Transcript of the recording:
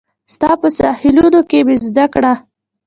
ستا په ساحلونو کې مې زده کړه